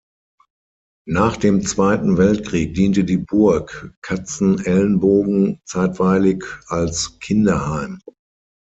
Nach dem Zweiten Weltkrieg diente die Burg Katzenelnbogen zeitweilig als Kinderheim.